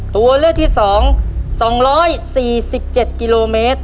ตัวเลือกที่๒สองร้อยสี่สิบเจ็ดกิโลเมตร